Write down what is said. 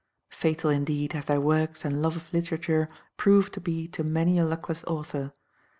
Fatal indeed have their works and love of literature proved to be to many a luckless author.